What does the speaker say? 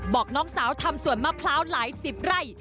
บอกน้องสาวทำสวนมะพร้าวหลายสิบไร่